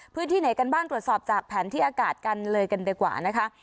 พื้นที่ไหนกันบ้างตรวจสอบจากแผนที่อากาศกันเลยกันดีกว่านะคะ